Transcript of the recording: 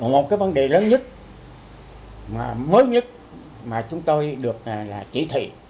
một cái vấn đề lớn nhất mới nhất mà chúng tôi được là chỉ thị